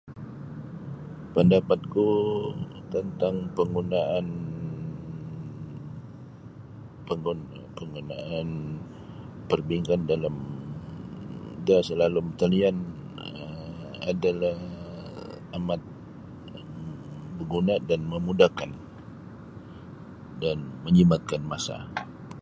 Pandapatku tantang panggunaan [unintelligible] kegunaan perbankan dalam da salalum talian um adalah amat [um]baguna dan mamudahkan dan menjimatkan masa.